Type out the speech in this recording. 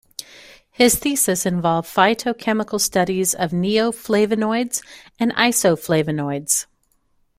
His thesis involved phytochemical studies of neoflavonoids and isoflavonoids.